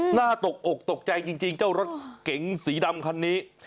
หน้าตกอกตกใจจริงเจ้ารถเก๋งสีดำคันนี้